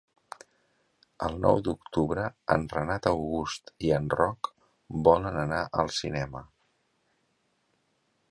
El nou d'octubre en Renat August i en Roc volen anar al cinema.